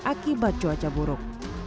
akibat cuaca buruk